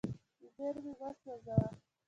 زیرمې مه سوځوه.